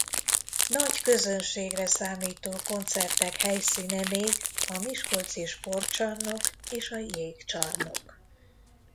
Nagy közönségre számító koncertek helyszíne még a Miskolci Sportcsarnok és a Jégcsarnok.